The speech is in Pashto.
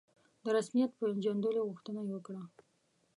د رسمیت پېژندلو غوښتنه وکړه.